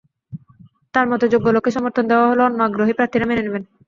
তাঁর মতে, যোগ্য লোককে সমর্থন দেওয়া হলে অন্য আগ্রহী প্রার্থীরা মেনে নেবেন।